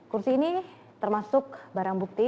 kursi ini termasuk barang bukti